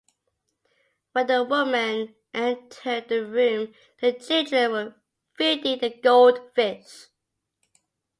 When the woman entered the room, the children were feeding the goldfish.